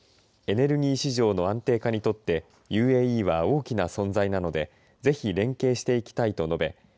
エネルギー市場の安定化にとってＵＡＥは大きな存在なのでぜひ連携していきたいと述べ